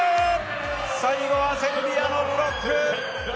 最後はセルビアのブロック。